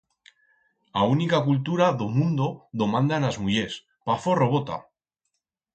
A unica cultura d'o mundo do mandan as mullers, pa forro bota!